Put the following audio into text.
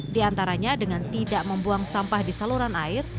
di antaranya dengan tidak membuang sampah di saluran air